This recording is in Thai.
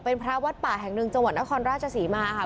เป็นพระวัดป่าแห่งหนึ่งจังหวัดนครราชศรีมาค่ะ